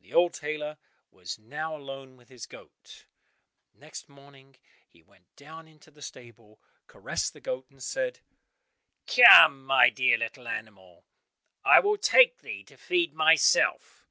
The old tailor was now alone with his goat. Next morning he went down into the stable, caressed the goat and said, "Come, my dear little animal, I will take thee to feed myself."